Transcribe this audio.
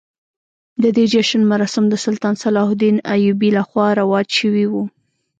د دې جشن مراسم د سلطان صلاح الدین ایوبي لخوا رواج شوي وو.